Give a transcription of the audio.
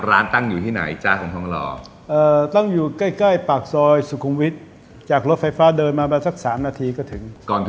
ร้านตั้งอยู่ที่ไหนจ้าทำพลังทหารคอนรอ